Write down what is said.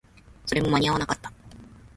それも間に合わなかった